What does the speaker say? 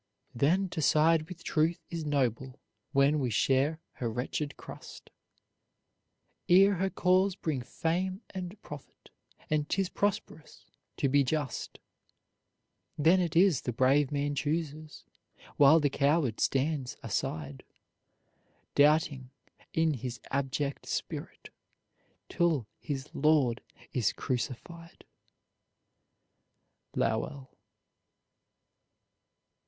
Then to side with Truth is noble when we share her wretched crust, Ere her cause bring fame and profit, and 'tis prosperous to be just: Then it is the brave man chooses, while the coward stands aside, Doubting in his abject spirit, till his Lord is crucified. LOWELL.